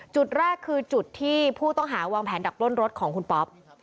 จุดแรกคือจุดที่ผู้ต้องหาวางแผนดักปล้นรถของคุณป๊อป